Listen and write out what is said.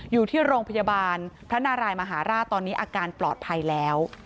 อยู่ที่โรงพยาบาลพระนารายมหาราชตอนนี้อาการปลอดภัยแล้ว